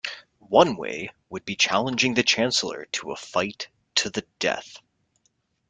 One way would be challenging the Chancellor to a fight to the death.